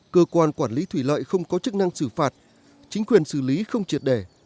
cơ quan quản lý thủy lợi không có chức năng xử phạt chính quyền xử lý không triệt để